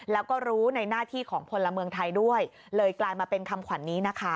แล้วก็รู้ในหน้าที่ของพลเมืองไทยด้วยเลยกลายมาเป็นคำขวัญนี้นะคะ